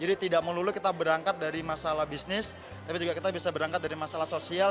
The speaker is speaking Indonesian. jadi tidak melulu kita berangkat dari masalah bisnis tapi juga kita bisa berangkat dari masalah sosial